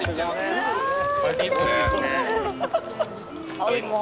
はい。